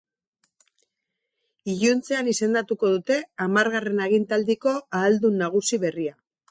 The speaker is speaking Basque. Iluntzean izendatuko dute hamargarren agintaldiko ahaldun nagusi berria.